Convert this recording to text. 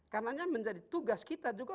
karena itu menjadi tugas kita